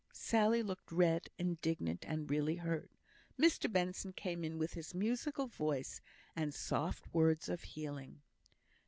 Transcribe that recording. Sally looked red, indignant, and really hurt. Mr Benson came in with his musical voice and soft words of healing.